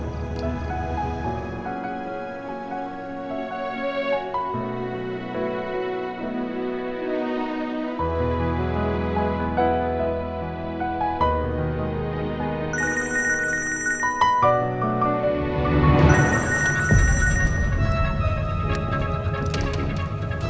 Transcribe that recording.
aku mau bantuin dia